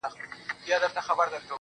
• ماجبیني د مهدي حسن آهنګ یم.